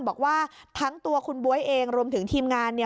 บอกว่าทั้งตัวคุณบ๊วยเองรวมถึงทีมงานเนี่ย